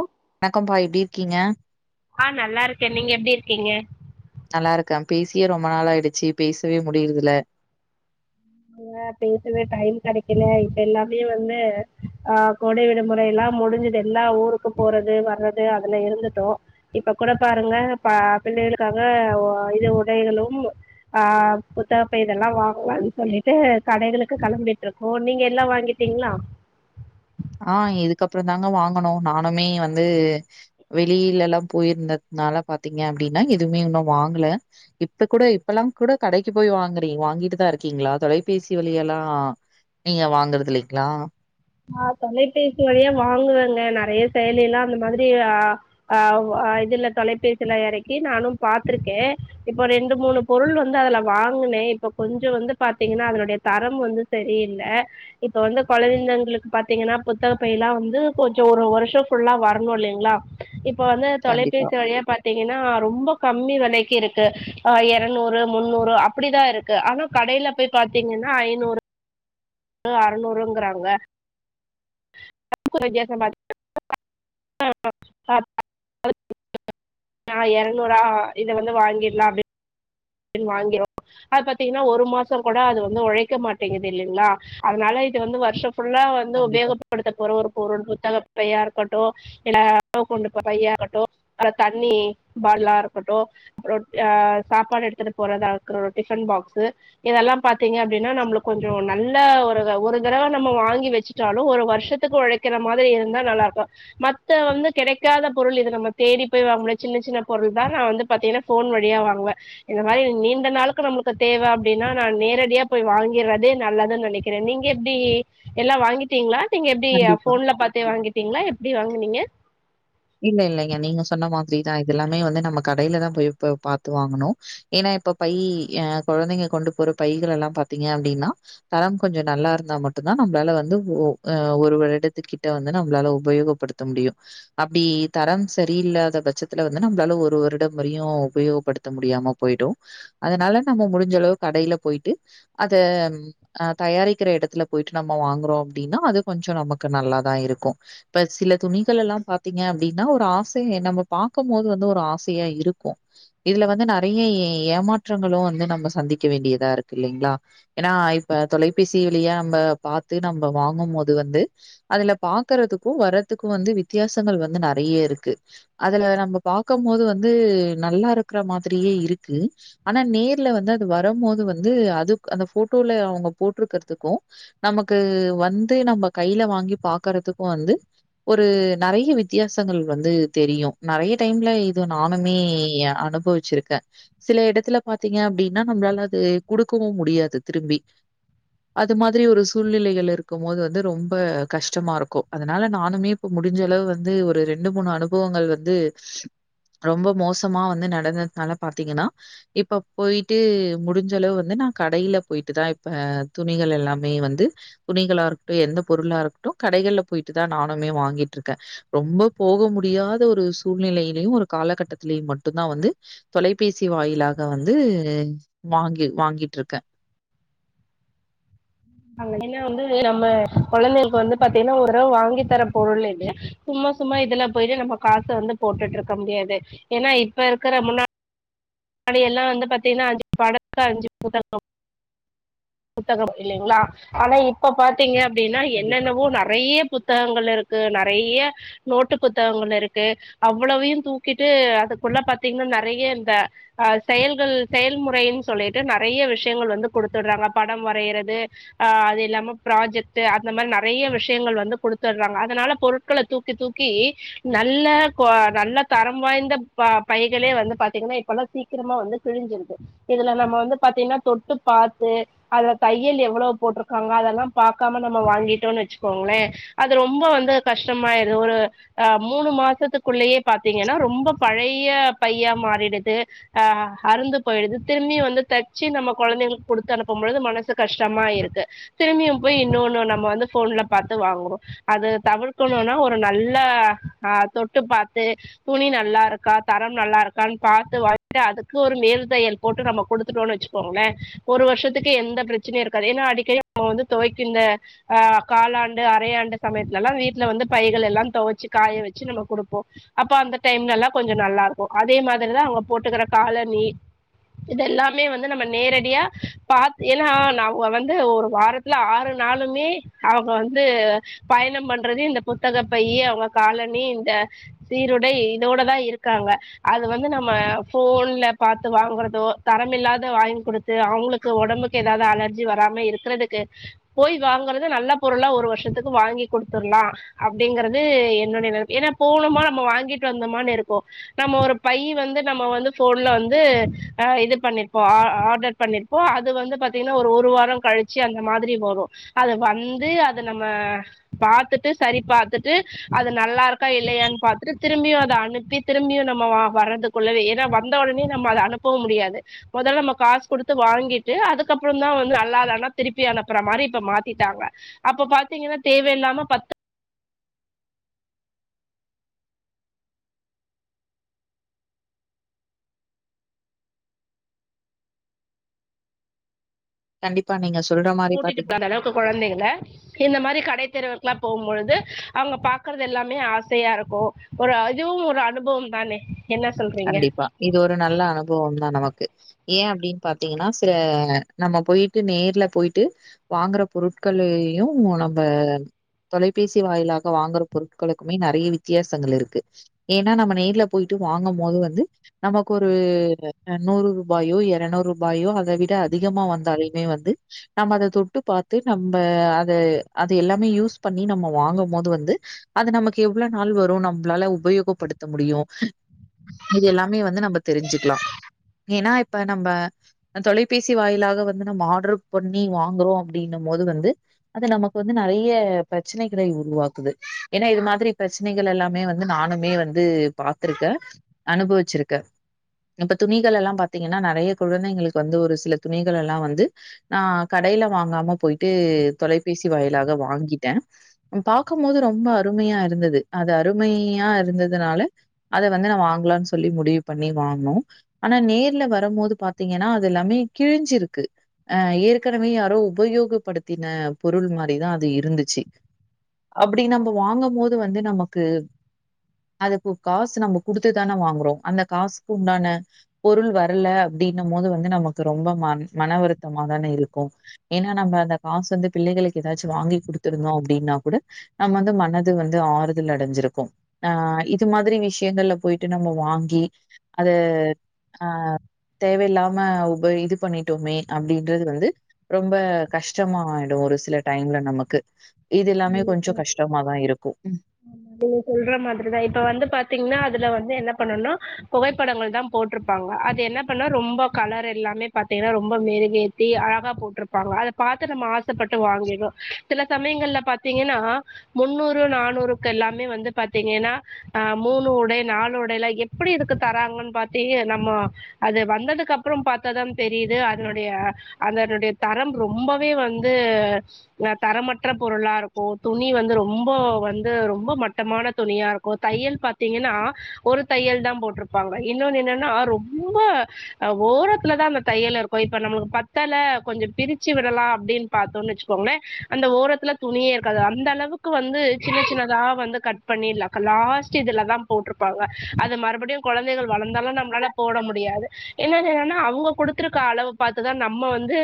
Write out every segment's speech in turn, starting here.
ஒ வணக்கம்பா எப்டி இருக்கீங்க ஆ நல்லா இருக்கே நீங்க எப்டி இருக்கீங்க க்க பேசியே ரொம்ப நாள் ஆயிடுச்சு பேசவே முடியுதுல பேசவே டைம் கடைக்கல இப்ப எல்லாமே வந்து ஆ கோடை விடுமுறை எல்லா முடிஞ்சுது எல்லா ஊருக்கு போறது வர்றது அதுல இருந்துட்டோ இப்ப கூட பாருங்க பிள்ளைகளுக்காக இது உடைகளும் ஆ புத்தகப்பை இதெல்லா வாங்கலாம்னு சொல்லிட்டு கடைகளுக்கு களம்பிட்டு இருக்கோம் நீங்க எல்லா வாங்கிட்டீங்களா ஆ இதுக்கப்புறம் தாங்க வாங்கனும் நானுமே வந்து வெளியில எல்லா போயிருந்தே னால பாத்தீங்க அப்படின்னா எதுவுமே இன்னும் வாங்கல இப்ப கூட இப்பெல்லாம் கூட கடைக்கு போய் வாங்குறீங்க வாங்கிட்டு தான் இருக்கீங்களா தொலைபேசி வழியா எல்லா நீங்க வாங்கறது இல்லைங்களா ஆ தொலைபேசி வழியா வாங்குவேங்க நிறைய செயலி எல்லா அந்த மாதிரி ஆ ஆ இதுல தொலைபேசியில் இறக்கி நானும் பார்த்திருக்கே இப்ப ரெண்டு மூணு பொருள் வந்து அதுல வாங்கின இப்ப கொஞ்சம் வந்து பாத்தீங்கன்னா அதனுடைய தரம் வந்து சரியில்ல இப்ப வந்து குழந்தைகளுக்கு பாத்தீங்கன்னா புத்தக பை எல்லா வந்து கொஞ்சம் ஒரு வருஷம் ஃபுல்லா வரணும் இல்லைங்களா இப் இப்ப வந்து கண்டிப்பா தொலைபேசி வழியா பாத்தீங்கன்னா ரொம்ப கம்மி விலைக் இருக்கு ஆ இருநூறு முன்னூறு அப்படிதான் இருக்கு ஆனா கடையில போய் பாத்தீங்கன்னா ஐநூறு அறநூறுங்கறாங்க வித்தியசம் பா [unintelligible] நா இரநூறா இத வந்து வாங்கிடலாம் அப்டி வாங்ரூம் அது பாத்தீங்கன்னா ஒரு மாசம் கூட அது வந்து உழைக்க மாட்டேங்குது இல்லைங்களா அதனால வாங்கிட்டு வந்து வருஷம் ஃபுல்லா வந்து கண்டிப்பா உபயோகப்படுத்த போற ஒரு பொருள் புத்தக பையா இருக்கட்டு இல்ல [unintelligible] கொண்டு போர பையா இருக்கட்டு அல்ல தண்ணி பாடலா இருக்கட்டு அப்புறம் அ சாப்பாடு எடு போறதா இருகட்டும் டிபன் பாக்ஸ் இதெல்லா பார்த்தீங்க அப்படின்னா நம்மளுக்கு கொஞ்ச நல்ல ஒரு ஒரு தடவை நம்ம வாங்கி வச்சுட்டாலு ஒரு வருஷத்துக்கு உழைக்கிற மாதிரி இருந்தா நல்லா இருக்கு மத்த வந்து கிடைக்காத பொருள் இது நம்ம தேடி போய் வாங்கடிய சின்ன சின்ன பொருள் தான் நான் வந்து பாத்தீங்கன்னா போன் வழியா வாங் வாங்குவ இந்த மாதிரி நீண்ட நாளுக்கு நம்மளுக்கு தேவை அப்படின்னா நான் நேரடியா போய் வாங்கறதே நல்லதுன்னு நினைக்கிறே நீங்க எப்டி எல்லாம் வாங்கிட்டீங்களா நீங்க எப்படி கண்டிப்பா. போன்ல பாத்தே வாங்கிட்டீங்களா எப்படி வாங்கினீங்க இல்ல இல்லலைங்க நீங்க சொன்ன மாதிரிதான் இது எல்லாமே வந்து நம்ம கடையில தான் போய் பாத்து வாங்கணும் ஏன்னா இப்ப பை குழந்தைங்க கொண்டு போற பைகள் எல்லாம் பாத்தீங்க அப்படின்னா தரம் கொஞ்சம் நல்லா இருந்தா மட் மட்டும்தான் நம்மளால வந்து ஒரு வருடத்க்கிட்ட வந்து நம்மளால உபயோகப்படுத்த முடியும் அப்படி தரம் சரியில்லாத பட்சத்துல வந்து நம்மளாலும் ஒரு வருடம் வரையும் உபயோகப்படுத்த முடியாம போயிடுது அதனால நம்ம முடிஞ்சளவு கடைல போயிட்டு அத தயாரிக்கிற இடத்துல போயிட்டு நம்ம வாங்குறோ அப்படின்னா அது கொஞ்சம் நமக்கு நல்லா தான் இருக்கு இப்போ சில துணிகள் எல்லா பாத்தி ங்க அப்படின்னா ஒரு ஆசைய நம்ம பார்க்கபோது வந்து ஒரு ஆசையா இருக்கு இதுல வந்து நறைய ஏமாற்றங்களு வந்து நம்ம சந்திக்க வேண்டியதா இருக்கு இல்லிங்ளா ஏன்னா இப்ப தொலைபேசி வழியா ம்ப பாத்து நம்ப வாங்கும் போது வந்து அதுல பாக்கறதுக்கு வரதுக்கு வந்து வித்தியாச சங்கள் வந்து நறைய்ய இருக்கு அதுல நம்ம பாக்கம்மோது வந்து நல்லாருக்ற மாதிரியே இருக் கு ஆனா நேர்ல வந்து அது வரம்மோது வந்து அது அந்த ஃபோட்டோல அவங்க போட்ருக்கற்துக்கு நமக்கு வந்து நம்ம கைய்ல வாங்கி பாக்கறதுக்கு வந்து ஒரு நறைய்ய வித்யாசங்கள் வந்து தெரியு நறைய்ய டைம்ல இது நானுமே அனுபவிச்சிருக்க சில எடத்துல பாத்தீங்க அப்டீன்னா நம்மளால அது குடுக்கவும் முடியாது திரும்பி அது மாதிரி ஒரு சூழ்நிலைகள் இருக்கும் போது வந்து ரொம்ப கஷ்டமா இருக்கு அதனால நானுமே இப்ப முடி முடிஞ்ச அளவு வந்து ஒரு ரெண்டு மூணு அனுபவங்கள் வந்து ரொம்ப மோசமா வந்து நடந்தத்னால பாத்தீங்கன்னா இப்ப போயிட்டு முடிஞ்சளவு வந்து நா கடைல போயிட்டு தா இப்ப துணிகள் எல்லாமே வந்து துணிகளாருக்ட்டு எந்த பொருளாருக்ட்டு கடைகள்ல போயிட்டு தா நானுமே வாங்கி ட்ருக்கே ரொம்ப போக முடியாத ஒரு சூழ்நிலையிலயு ஒரு காலகட்டத்லயும் மட்டுந்தா வந்து தொலைபேசி வாயிலாக வந்து வாங்கி வாங்கிட்ருக்கே ஏன்னா வந்து நம்ம கொழந்தைளுக்கு வந்து பாத்தீன்னா ஒர்ரவ வாங்கி தர பொர்ளுலே சும் சும்மா சும்மா இதுல போயிட்டு நம்ம காச வந்து போட்டுட்ருக்க முடியாது ஏன்னா இப்ப இருக்கற முன்னா டி எல்லா வந்து பாத்தீன்னா அஞ்சு பாடக்கு அஞ்சு புத்தகம் புத்தகம் இல்லைங்களா ஆனா இப்ப பாத்தீங்க அப்டின்னா கண்டிப்பா. என்னென்னவோ நறைய புத்தகங்கள் இருக்கு நறைய்ய நோட்டு புத்தகங்கள் இருக்கு அவ்வளவையும் தூக்கிட்டு அது ல்ல பாத்தீங்ன்னா நறைய்ய இந்த அஹ் செயல்கள் செயல்முறைன் சொல்லிட்டு நறைய்ய விஷ்யங்கள் வந்து குடுத்துட்றாங்க படம் வரையிறது அ அது இல்லாம ப்ராஜெக்ட்டு அந்த மாரி நறைய்ய விஷ்யங்கள் வந்து குடுத்தட்றாங்க அதனால பொருட்கள தூக்கி தூக் கி நல்ல கோ நல்ல தரம் வாய்ந்த பைகளே வந்து பாத்தீங்கன்னா இப்பல்லா சீக் க்கிரமா வந்து கிழிஞ்சிருது இதுல நம்ம வந்து பாத்தீங்கன்னா தொட்டு பாத்து அதுல தைய்யல் எவ்வளோ போ போட்ருக்காங்க அதெல்லாம் பாக்காம நம்ம வாங்கீட்டோனு வெச்சுக்கோங்ளேன் அது ரொம்ப வந்து கஷ்டமாயிரு ஒரு ஆ மூணு மாசத்துக்குள்ளயே பாத்தீங்கன்னா ரொம்ப பழைய்ய பையா மாறிடுது ஆ அருந்து போயிடுது திரும்பி வந்து தச்சு நம்ம கொழந்தைங்களுக்கு குடுத்து அனுப்பும்பொழுது மனசு கஷ்டமா இரு க்கு திரும்பியும் போய் இன்னோன்னு நம்ம வந்து ஃபோன்ல பாத்து வாங்குறோ அது தவிர்க்கணுனா ஒரு நல் ல ஆ தொட்டு பாத்து துணி நல்லா ருக்கா தரம் நல்லா ருக்கான் பாத்து வாங் அதுக்கு ஒரு மேல் தையல் போட்டு நம்ம குடுத்துட்டோன்னு வெச்சுக்கோங்ளே ஒரு வர்ஷத்துக்கு எந்த ப்ரச்சனையு இருக்காது என் அடிக்கடி ம வந்து துவக்கின்ற காலாண்டு அரையாண்டு சமயத்ல ல்லா வீட்ல வந்து பைகள் எல்லா தொவச்சு காய வச்சு நம்ம குடுப்போ அப்ப அந்த டைம் ல எல்லா கொஞ்சொ நல்லா இருக்கு அதே மாதிரி தான் அவங்க போட்டுக்கற காலணி இது எல்லாமே வந்து நம்ம நேரடியா பாத் ஏன்னா ந வ வந்து ஒரு வாரத்துல ஆறு நாலுமே அவங்க வந்து பயணம் பண்றது இந்த புத்தகப் பைய்யு அவங்க காலனி இந்த சீருடை இதோட தா இருக்காங்க அது வந்து நம்ம ஃபோன்ல பாத்து வாங்குறதோ தரம்இல்லாத வங்கி குடுத்து அவங்களுக்கு ஒடம்புக்கு ஏதாது அலர்ஜ் ஜி வராம இருக்றதுக்கு போய் வாங்கறது நல்ல பொருளா ஒரு வர்ஷத்துக்கு வாங்கி குடுத்துர்லா அப் ப்டிங்கறது என்னுடைய நெனப் ஏன்னா போனொமா நம்ம வாங்கிட் வந்தமானு இருக்கு நம்ம ஒரு பை வந்து நம்ம வந்து ஃபோன்ல வந்து இது பண்ணிர்ப்போ ஆ ஆர்டர் பண்ணிர்ப்போ அது வந்து பாத்தீங்ன்னா ஒரு ஒரு ரு வாரம் கழிச்சு அந்த மாதிரி வரு அது வந்து அது நம்ம பாத்துட்டு சரி பா த்துட்டு அது நல்லாருக்கா இல்லையான் பாத்துட்டு திரும்பியு அத அனுப்பி திரும்பியு நம்ம வா வரதுக் கொள்ளவே ஏன்னா வந்த ஒடனே நம்ம அத அனுப்பவு முடியாது மொதல் நம்ம காசு குடுத்து வாங்கிட்டு அதுக்கப்றந் தா வந்து நல்லாலனா திருப்பி அனுப்புற மாரி இப்ப மாத்திட்டாங்க அப்ப பாத்தீங்கன்னா தேவையில்லாம பத்து கண்டிப்பா நீங்க சொல்ற மாரி பார்த்தீங்கன்னா கூட்டிட்டு [unintelligible] அளவுக்கு கொழந்தைகள இந்த மாரி கடைத்தெருவுக்லா போம்பொழுது அங்க பாக்கறதெல்லாமே ஆசையா இருக்கு ஒரு அதுவு ஒரு அனுபவம் தானே என்ன சொல்றீங்க கண்டிப்பா இது ஒரு நல்ல அனுபவம் தா நமக்கு ஏன் அப்படின் பாத்தீங்கன்னா சில நம்ம போயிட்டு நேர்ல போயிட்டு வாங்குற பொருட்கள் யும் நம்ப தொலைபேசி வாயிலாக வாங்கற பொருட்களுக்குமே நெறய வித்தியாசங்கள் இருக்கு ஏன்னா நம்ம நேர்ல போயிட்டு வாங்கம் போது வந்து நமக்கு ஒரு நூறு ரூபாயோ இரநூறு ரூபாயோ அத விட அதிகமா வந்து தாலுமே வந்து நம்ம அத தொட்டு பாத்து நம்ம அத அத எல்லாமே யூஸ் பண்ணி நம்ம வா வாங்கும் போது வந்து அது நமக்கு எவ்வளவு நாள் வரும் நம்மளால உபயோகப்படுத்த முடியும் இது எல்லாமே வந்து நம்ம தெரிஞ்சுக்கலா ஏன்னா இப்ப நம்ம தொலைபேசி வாயிலாக வந்து நம்ம ஆர்டர் பண்ணி வாங்குறோம் அப்படின்னும் போது வந்து அது நமக்கு வந்து நறைய பிரச்சனைகளை உருவாக்குது ஏன்னா இது மாதிரி பிரச்சனைகள எல்லாமே வந்து நானுமே வந்து பாத்துருக்கே அனுபவிச்சிருக்கே இப்ப துணிகளல்லா பாத்தீங்கன்னா நறய குழந்தைங்களுக்கு வந்து ஒரு சில துணிகளல்லாம் வந்து ஆ கடை ல வாங்காம போயிட்டு தொலைபேசி வயிலாக வாங்கிட்டே பாக்கம்போது ரொம்ப அருமை யா இருந்தது அது அருமையா இருந்ததுனால அத வந்து நா வாங்க லான்னு சொல்லி முடிவு பண்ணி வாங்கனோம் ஆனா நேர்ல வரம் போது பாத்தீங்கன்னா அது எல்லாமே கிழிஞ்சிருக்கு அ ஏற்கனவே யாரோ உபயோகப்படுத்தின பொருள் மாரிதான் அது இருந்துச்சு அப்படி நம்ம வாங்கம் போது வந்து நமக்கு அதுக்கு காசு நம்ம குடுத் துதான வாங்குறோ அந்த காசுக்கு உண்டான பொருள் வரல அப்படின்னும் போது வந்து நமக்கு ரொம்ப மன மன வருத்தமா தானே இருக்கு ஏன்னா நம்ம அந்த காசு வந்து பிள்ளைகளுக்கு ஏதாச்சு வாங்கி குடுத்துருந்தோ அப்படின்னு கூட நம்ம வந்து மனது வந்து ஆறுதல் அடைஞ்சிருக்கும் ஆ இது மாதிரி விஷயங்கள்ல போயிட்டு விட்டு நம்ம வாங்கி அத ஆ தேவையில்லாம உப இது பண்ணிட்டோமே அப்படின்றது வந்து ரொம்ப கஷ்டமாயிடு ஒரு சில டைம்ல நமக்கு இது எல்லாமே கொஞ்சகஷ்டமா தா இருக்கு ஆமா நீங்க சொல்ற மாதிரிதா இப்ப வந்து பாத்திங்னா அதுல வந் து என்ன பண்ணுனா புகைப்படங்கள் தா போட்ருப்பாங்க அது என்ன பண்ண ரொம்ப கலர் எல்லாமே பாத்திங்னா ரொம்ப மெருகேத்தி அழகா போட்ருப்பாங்க அத பாத்து நம்ம ஆசப்பட்டு வாங்கிடறோ சில சமயங்கள்ல பாத்திங்கனா முன்னூறு நானூறுக்கெல்லாமே வந்து பாத்திங்கனா ஆ மூணு உடை நா லு உடைலா எப்படி இதுக்கு தராங்கன் பாத்தியே நம்ம அது வந்ததுக்கப்புற பாத்தாதான தெரிது அதனுடைய அதனுடைய தரம் ரொம்பவே வந்து தரமற்ற பொருளா இருக்கு துணி வந்து ரொம்ப வந்து ரொம்ப மட்டமான துணியா இருக்கு தையல் பாத்திங்கனா ஒரு தையல் தா போட்ருப்பாங்க இன்னொனு என்னனா ரொம்ப ஓரத்துல தா அந்த தையல் இருக்கு இப்ப நமளுக்கு பத்தல கொஞ்ச பிரிச்சு விடலா அப்டின் பாத்தோன் வச்சுக்கோங்ளே அந்த ஓரத்துல துணியே இருக்காது அந்த அளவுக்கு வந்து சின்ன சின்னதா வந்து கட் பண்ணி லக லாஸ்ட் இதுல தா போட்ரு ப்பாங்க அது மறுபடியு குழந்தைகள் வளந்தாலு நம்ளால போட முடியாது இன்னொனு என்னனா அவுங்க குடுத்துருக்க அளவ பாத்துதா நம்ம வந்து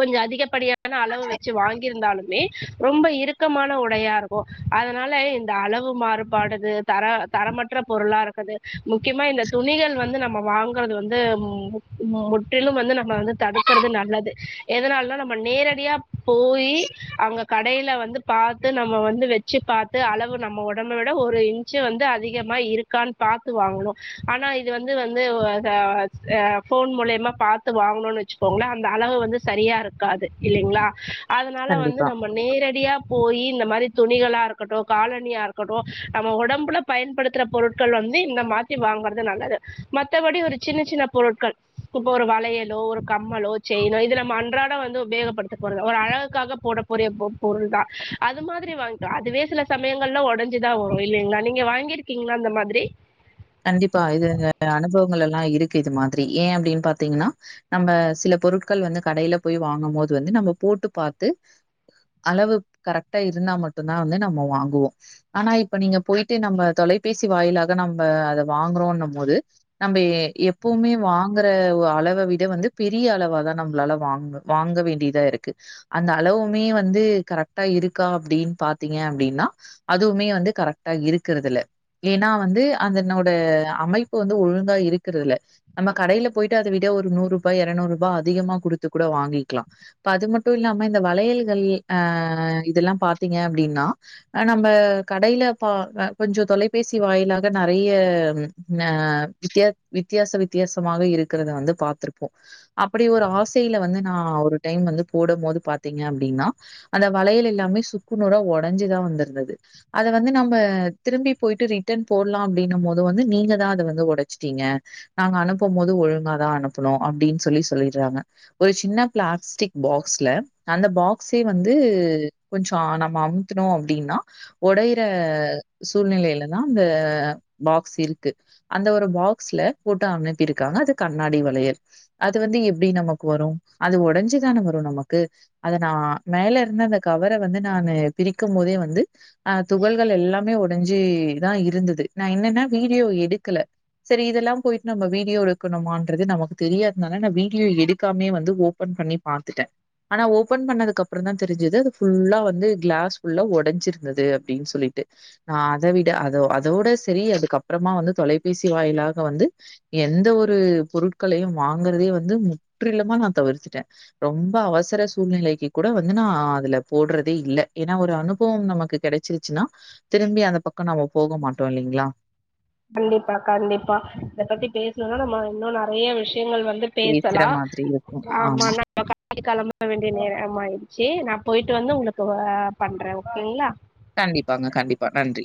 கொஞ்ச அதிகப்படியான அளவு வச்சு வாங்கிருந்தாலும் மே ரொம்ப இருக்கமான உடையா இருக்கு அதனால இந்த அளவு மாறுபாடுது தர தரமற்ற பொருளா இருக்கது முக்கியமா இந்த துணிகள் வந்து நம்ம வாங்கறது வந்து மு முற்றிலும் வந்து நம்ம வந்து தடுக்கறது நல்லது எதனாலனா நம்ம நேரடியா போயி அங்க கடையில வந்து பாத்து நம்ம வந்து வெச்சு பாத்து அளவு நம்ம ஒடம்ப விட ஒரு இன்ச்சு வந்து அ திகமா இருக்கான் பாத்து வாங்கணு ஆனா இது வந்து வந்து ஆ ஆ ஃபோன் மூலிய மா பாத்து வாங்னோன் வச்சுக்கோங்ளே அந்த அளவு வந்து சரியா இருக்காது இல்லைங்ளா அதனால வந்து கண்டிப்பா. நம்ம நேரடியா போயி இந்த மாதிரி துணிகளா இருக்கட்டு காலணியா இருக்கட்டு நம்ம ஒடம்புல பயன்படுத்தற பொருட்கள் வந்து இந்த மா மாத்தி வாங்கறது நல்லது மத்தபடி ஒரு சின்ன சின்ன பொருட்கள் இப்ப ஒரு வளையலோ ஒரு கம்மலோ ஒரு செயினோ இது நம்ம அன்றாட வந்து உபயோகப்படுத்தப்போறது ஒரு அழகு க்காக போட போறிய பொ பொருள் தா அது மாதிரி வாங்க்க அதுவே சில சமயங்கள்ல ஒடஞ்சுதா வரு இல்லைங் ளா நீங்க வாங்கிருக்கிங்ளா இந்த மாதிரி கண்டிப்பா இது அனுபவங்களெல்லா இருக்கு இது மாதிரி ஏ அப்டின் பாத்திங்னா நம்ம சில பொருட்கள் வந்து கடையில போய் வாங்கும் போது வந்து நம்ம போட்டு பாத்து அளவு கரெக்டா இருந்தா மட்டுந்தா வந்து நம்ம வாங்குவோ ஆனா இப்ப நீங்க போய்ட்டு நம்ம தொலை பேசி வாயிலாக நா ம்ப அத வாங்கறோன்னம் போது நம்ப எப்பவுமே வாங்குற அளவ விட வந்து பெரி ய அளவா தா நம்ளால வாங்க வாங்க வேண்டியதா இருக்கு அந்த அளவுமே வந்து கரெக்டா இருக்கு கா அப்டின் பாத்திங்க அப்டினா அதுவுமே வந்து கரெக்டா இருக்கறதில்ல ஏனா வந்து அதனோட அமைப்பு வந்து ஒழுங்கா இருக்கறதில்ல நம்ம கடையில போயிட்டு அத விட ஒரு நூறுபா எரநூ ருபா அதிகமா குடுத்து கூட வாங்கிக்லா இப்ப அது மட்டு இல்லாம இந்த வளையல்கள் அ இது எல்லாம் பாத்திங்க அப்டின்னா நம்ம கடையில பா கொஞ்ச தொலைபேசி வாயிலா க நறைய அ வித்யா வித்தியாச வித்தியாசமாக இருக்கறத வந்து பாத்துருப்போ அப்படி ஒரு ஆசைல வந்து நா ஒரு டைம் வந்து போடும் போது பாத்திங்க அப்டினா அந்த வளையல் எல்லாமே சுக்கு நூறா ஒடஞ்சுதா வந்துருந்துது அத வந்து நம்ம திரும்பி போய்ட்டு ரிட்டன் போடலா அப்டின்னும் போது வந்து நீங்க தா அத வந்து ஒடச்சிட்டிங்க நாங்க அனுப்பும் போது ஒழுங்காதா அனுப்புனோ அப்டின் சொல்லி சொல்லிடுறாங்க ஒரு சின்ன பிளாஸ்டிக் பாக்ஸ்ல அந்த பாக்ஸே வந்து து கொஞ்ச நம்ம அமுத்துனோ அப்டின்னா ஒடையிற சூழ்நிலையில தா இந்த பாக்ஸ் இருக்கு அந்த ஒரு பாக்ஸ்ல போட்டு அனுப்பிருக்காங்க அது கண்ணாடி வளைய ல் அது வந்து எப்டி நமக்கு வரு அது ஒடஞ்சுதான வரு நமக்கு அத நா மேல இருந்த அந்த கவர வந்து நானு பிரிக்கும் போதே வந்து அ துகள்கள் எல்லாமே ஒடஞ்சி தா இருந்துது நா என்னன்னா வீடியோ எடுக்கல சரி இதெல்லாம் போயிட் நம்ம வீடியோ எடுக்கணுமான்றது நமக்கு தெரியாதனால நா வீடியோ எடுக்காமயே வந்து ஓபன் பண்ணி பாத்துட்ட ஆனா ஓபன் பண்ணதுக்கப்புறந்தா தெரிஞ்சது அது ஃபுல்லா வந்து கிளாஸ் ஃபுல்லா ஒடஞ்சிருந்துது அப்டின் சொல்லி ட்டு அ அத வி ட்டு அதோ அதோட செரி அதுக்கப்பறமா வந்து தொலைபேசி வாயிலாக வந்து எந்த ஒரு பொரு ட்களையு வாங்கறதயே வந்து முற்றிலுமா நா தவிர்த்துட்டே ரொம்ப அவசர சூழ்நிலைக்கி கூட வ ந்து நா அதல போட்றதே இல்ல ஏனா ஒரு அனுபவம் நமக்கு கெடைச்சிருச்சின்னா திரும்பி அந்த ப க்க நம்ம போக மாட்டோ இல்லிங்ளா கண்டிப்பா கண்டிப்பா இத பத்தி பேசணுன்னா நம்ம இன்னு நறைய விஷ் யங்கள் வந்து பேசுற பேசலா மாதிரி இருக்கும். ஆமா [inaudible] [inaudible] கெளம்ப வேண்டிய நேரம் ஆயிடுச்சி நா போயிட்டு வந்து உங்குளுக்கு வ பண்றே ஓகேங்ளா கண்டிப்பாங்க கண்டிப்பா நன்றி